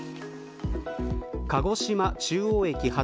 鹿児島中央駅発